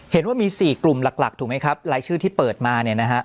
เห็นว่ามี๔กลุ่มหลักถูกไหมครับรายชื่อที่เปิดมาเนี่ยนะฮะ